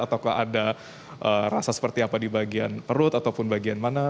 ataukah ada rasa seperti apa di bagian perut ataupun bagian mana